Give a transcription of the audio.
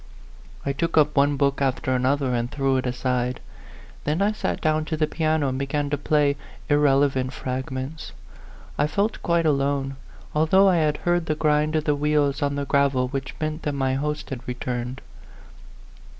I took up one book after another and threw it aside ; then I sat down to the piano and began to play irrelevant fragments. I felt quite alone, although I had heard the grind of the wheels on the gravel which meant that my host had returned.